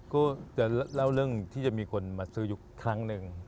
ก็จะเล่าเรื่องที่จะมีคนมาซื้อยุคครั้งหนึ่ง